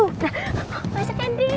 nah mas kendi